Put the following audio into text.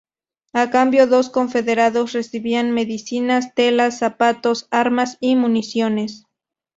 A cambio los confederados recibían medicinas, telas, zapatos, armas y municiones.